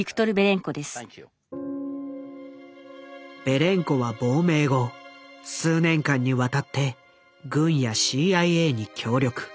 ベレンコは亡命後数年間にわたって軍やＣＩＡに協力。